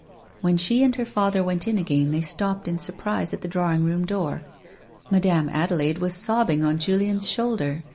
When she and her father went in again they stopped in surprise at the drawing room door. Madame Adelaide was sobbing on Julien's shoulder.